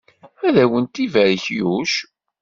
Ad awent-ibarek Yuc!